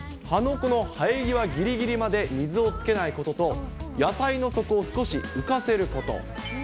葉の生え際ぎりぎりまで水をつけないことと、野菜の底を少し浮かせること。